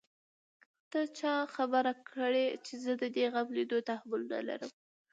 ته چا خبره کړې چې زه د دې غم ليدو تحمل لرم.